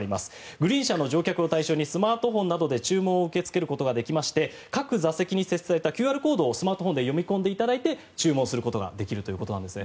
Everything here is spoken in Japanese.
グリーン車の乗客を対象にスマートフォンなどで注文を受け付けることができまして各座席に設置されたＱＲコードをスマートフォンで読み込んでいただいて注文ができるということです。